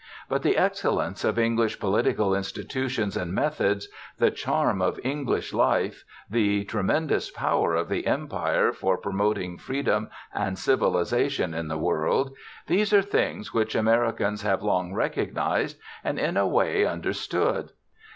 But the excellence of English political institutions and methods, the charm of English life, the tremendous power of the Empire for promoting freedom and civilization in the world, these are things which Americans have long recognized and in a way understood.